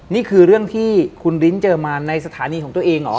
นี่คือเรื่องที่คุณลิ้นเจอมาในสถานีของตัวเองเหรอ